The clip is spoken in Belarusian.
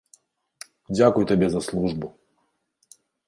Дзякуй табе за службу!